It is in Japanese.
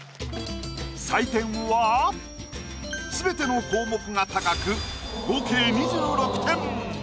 採点は全ての項目が高く合計２６点。